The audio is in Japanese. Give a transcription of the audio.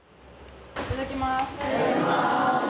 いただきます。